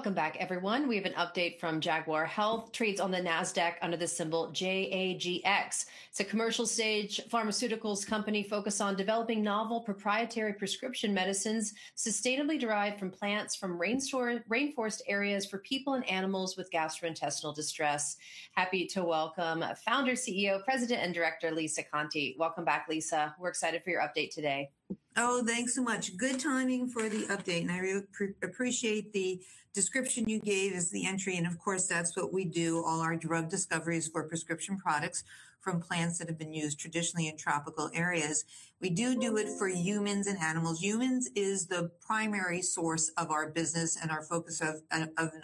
Welcome back, everyone. We have an update from Jaguar Health. Trades on the NASDAQ under the symbol JAGX. It's a commercial-stage pharmaceuticals company focused on developing novel proprietary prescription medicines sustainably derived from plants from rainforest areas for people and animals with gastrointestinal distress. Happy to welcome Founder, CEO, President, and Director Lisa Conte. Welcome back, Lisa. We're excited for your update today. Oh, thanks so much. Good timing for the update. And I really appreciate the description you gave as the entry. And of course, that's what we do. All our drug discoveries for prescription products from plants that have been used traditionally in tropical areas. We do do it for humans and animals. Humans is the primary source of our business and our focus of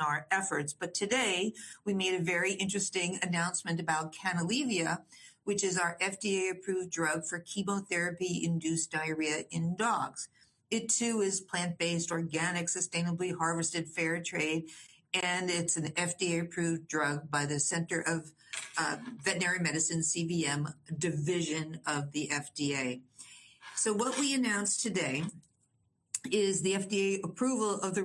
our efforts. But today, we made a very interesting announcement about Canalevia-CA1, which is our FDA-approved drug for chemotherapy-induced diarrhea in dogs. It too is plant-based, organic, sustainably harvested, fair trade. And it's an FDA-approved drug by the Center for Veterinary Medicine, CVM, division of the FDA. So what we announced today is the FDA approval of the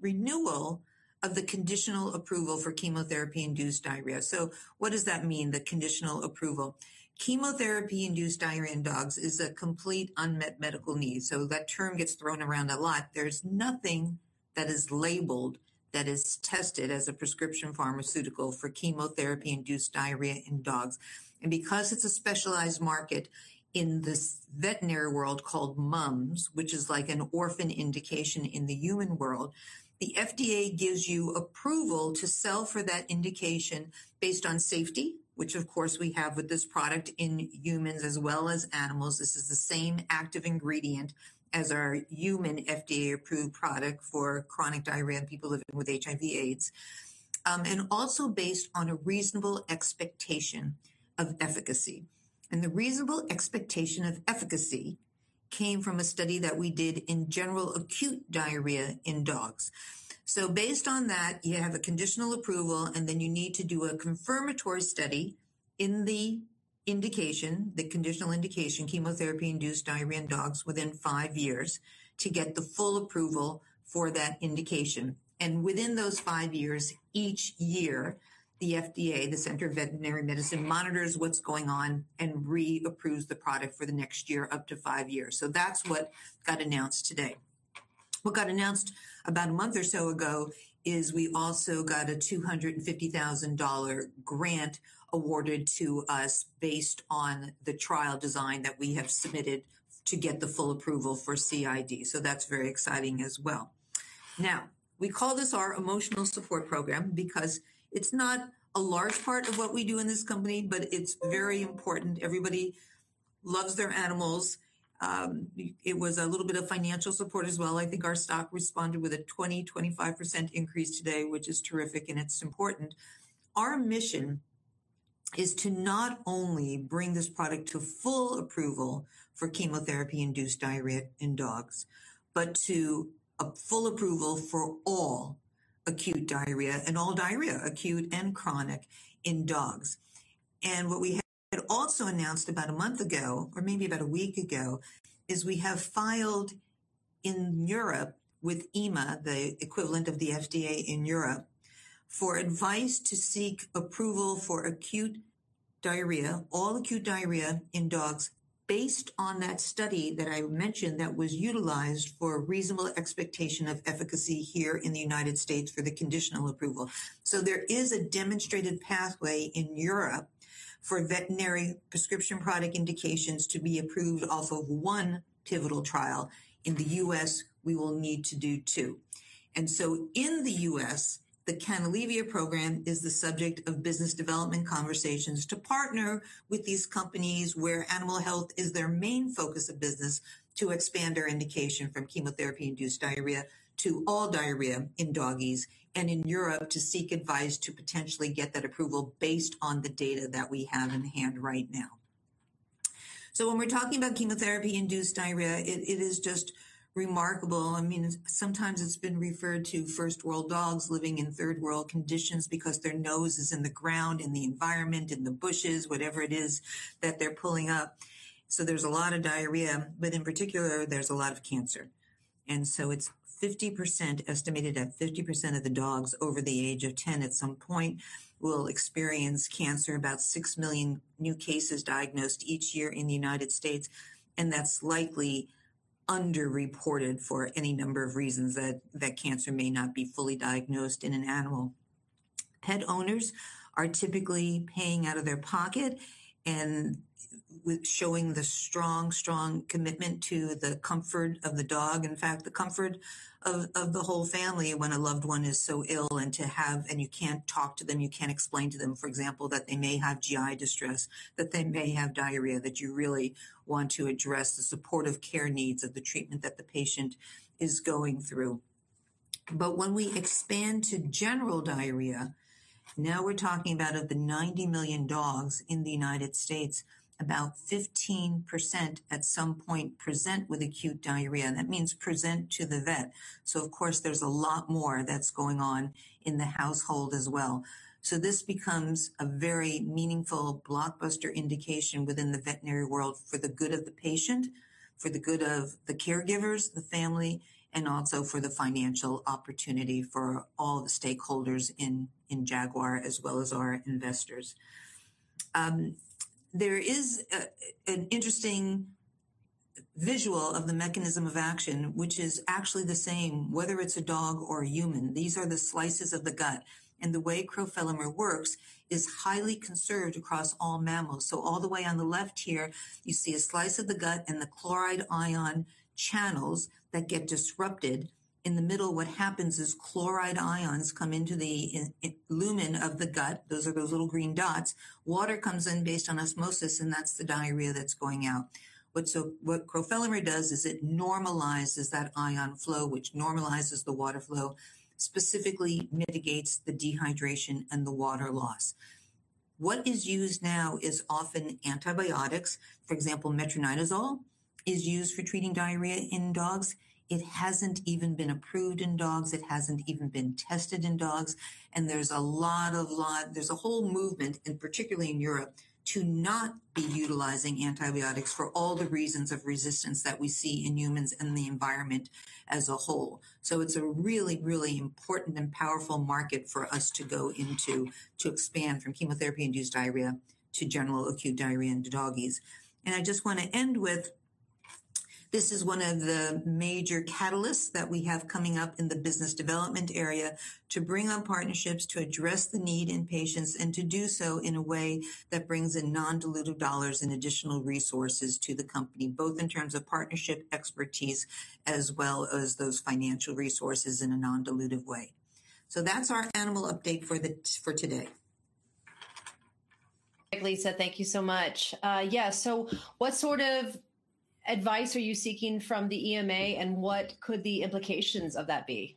renewal of the conditional approval for chemotherapy-induced diarrhea. So what does that mean, the conditional approval? Chemotherapy-induced diarrhea in dogs is a complete unmet medical need. So that term gets thrown around a lot. There's nothing that is labeled that is tested as a prescription pharmaceutical for chemotherapy-induced diarrhea in dogs. And because it's a specialized market in the veterinary world called MUMS, which is like an orphan indication in the human world, the FDA gives you approval to sell for that indication based on safety, which of course we have with this product in humans as well as animals. This is the same active ingredient as our human FDA-approved product for chronic diarrhea in people living with HIV/AIDS, and also based on a reasonable expectation of efficacy. And the reasonable expectation of efficacy came from a study that we did in general acute diarrhea in dogs. So based on that, you have a conditional approval, and then you need to do a confirmatory study in the indication, the conditional indication, chemotherapy-induced diarrhea in dogs within five years to get the full approval for that indication. And within those five years, each year, the FDA, the Center for Veterinary Medicine, monitors what's going on and reapproves the product for the next year up to five years. So that's what got announced today. What got announced about a month or so ago is we also got a $250,000 grant awarded to us based on the trial design that we have submitted to get the full approval for CID. So that's very exciting as well. Now, we call this our emotional support program because it's not a large part of what we do in this company, but it's very important. Everybody loves their animals. It was a little bit of financial support as well. I think our stock responded with a 20%-25% increase today, which is terrific, and it's important. Our mission is to not only bring this product to full approval for chemotherapy-induced diarrhea in dogs, but to full approval for all acute diarrhea and all diarrhea, acute and chronic, in dogs, and what we had also announced about a month ago, or maybe about a week ago, is we have filed in Europe with EMA, the equivalent of the FDA in Europe, for advice to seek approval for acute diarrhea, all acute diarrhea in dogs, based on that study that I mentioned that was utilized for reasonable expectation of efficacy here in the United States for the conditional approval, so there is a demonstrated pathway in Europe for veterinary prescription product indications to be approved off of one pivotal trial. In the U.S., we will need to do two, and so in the U.S., the Canalevia-CA1 program is the subject of business development conversations to partner with these companies where animal health is their main focus of business to expand our indication from chemotherapy-induced diarrhea to all diarrhea in doggies and in Europe to seek advice to potentially get that approval based on the data that we have in hand right now, so when we're talking about chemotherapy-induced diarrhea, it is just remarkable. I mean, sometimes it's been referred to first-world dogs living in third-world conditions because their nose is in the ground, in the environment, in the bushes, whatever it is that they're pulling up, so there's a lot of diarrhea, but in particular, there's a lot of cancer. And so it's 50%, estimated at 50% of the dogs over the age of 10 at some point will experience cancer, about 6 million new cases diagnosed each year in the United States. And that's likely underreported for any number of reasons that cancer may not be fully diagnosed in an animal. Pet owners are typically paying out of their pocket and showing the strong, strong commitment to the comfort of the dog, in fact, the comfort of the whole family when a loved one is so ill and to have, and you can't talk to them, you can't explain to them, for example, that they may have GI distress, that they may have diarrhea, that you really want to address the supportive care needs of the treatment that the patient is going through. But when we expand to general diarrhea, now we're talking about of the 90 million dogs in the United States, about 15% at some point present with acute diarrhea. That means present to the vet. So of course, there's a lot more that's going on in the household as well. So this becomes a very meaningful blockbuster indication within the veterinary world for the good of the patient, for the good of the caregivers, the family, and also for the financial opportunity for all the stakeholders in Jaguar as well as our investors. There is an interesting visual of the mechanism of action, which is actually the same, whether it's a dog or a human. These are the slices of the gut. And the way crofelemer works is highly conserved across all mammals. So all the way on the left here, you see a slide of the gut and the chloride ion channels that get disrupted. In the middle, what happens is chloride ions come into the lumen of the gut. Those are those little green dots. Water comes in based on osmosis, and that's the diarrhea that's going out. What crofelemer does is it normalizes that ion flow, which normalizes the water flow, specifically mitigates the dehydration and the water loss. What is used now is often antibiotics. For example, metronidazole is used for treating diarrhea in dogs. It hasn't even been approved in dogs. It hasn't even been tested in dogs. And there's a lot of, there's a whole movement, and particularly in Europe, to not be utilizing antibiotics for all the reasons of resistance that we see in humans and the environment as a whole. So it's a really, really important and powerful market for us to go into to expand from chemotherapy-induced diarrhea to general acute diarrhea into doggies. And I just want to end with, this is one of the major catalysts that we have coming up in the business development area to bring on partnerships to address the need in patients and to do so in a way that brings in non-dilutive dollars and additional resources to the company, both in terms of partnership expertise as well as those financial resources in a non-dilutive way. So that's our animal update for today. Lisa, thank you so much. Yeah. So what sort of advice are you seeking from the EMA, and what could the implications of that be?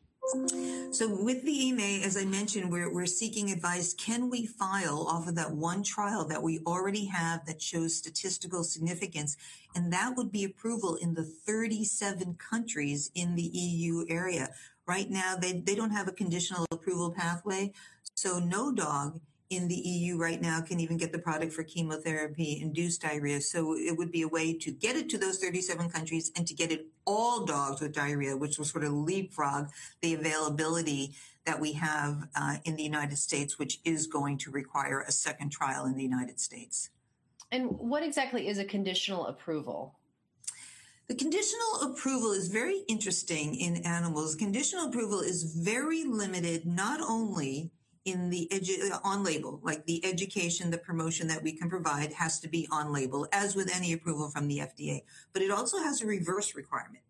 So with the EMA, as I mentioned, we're seeking advice. Can we file off of that one trial that we already have that shows statistical significance? And that would be approval in the 37 countries in the EU area. Right now, they don't have a conditional approval pathway. So no dog in the EU right now can even get the product for chemotherapy-induced diarrhea. So it would be a way to get it to those 37 countries and to get it all dogs with diarrhea, which will sort of leapfrog the availability that we have in the United States, which is going to require a second trial in the United States. What exactly is a conditional approval? The conditional approval is very interesting in animals. Conditional approval is very limited, not only in the on-label, like the education, the promotion that we can provide has to be on-label, as with any approval from the FDA. But it also has a reverse requirement.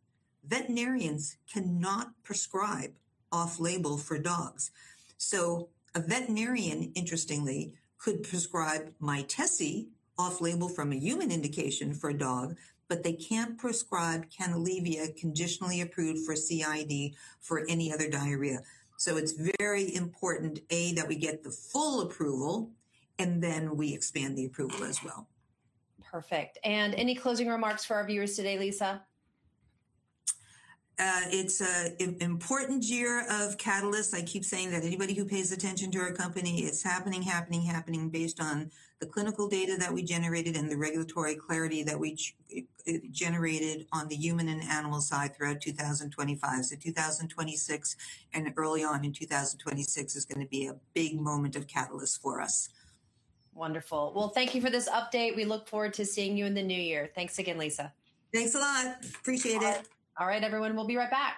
Veterinarians cannot prescribe off-label for dogs. So a veterinarian, interestingly, could prescribe Mytesi off-label from a human indication for a dog, but they can't prescribe Canalevia-CA1 conditionally approved for CID for any other diarrhea. So it's very important, A, that we get the full approval, and then we expand the approval as well. Perfect, and any closing remarks for our viewers today, Lisa? It's an important year of catalysts. I keep saying that anybody who pays attention to our company, it's happening, happening, happening based on the clinical data that we generated and the regulatory clarity that we generated on the human and animal side throughout 2025, so 2026 and early on in 2026 is going to be a big moment of catalyst for us. Wonderful. Well, thank you for this update. We look forward to seeing you in the new year. Thanks again, Lisa. Thanks a lot. Appreciate it. All right, everyone. We'll be right back.